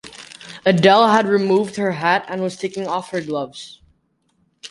Adele had removed her hat and was taking off her gloves.